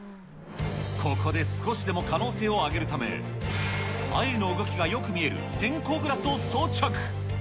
ここで少しでも可能性を上げるため、あゆの動きがよく見える、偏光グラスを装着。